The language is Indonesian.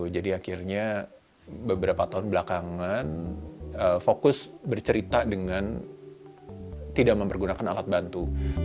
jadi akhirnya beberapa tahun belakangan fokus bercerita dengan tidak mempergunakan alat bantu